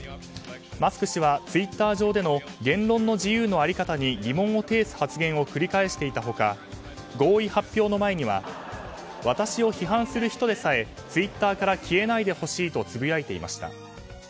マスク氏はツイッター上での言論の自由の在り方に疑問を呈す発言を繰り返していた他合意発表の前には私を批判する人でさえツイッターから消えないでほしいとつぶやいていました。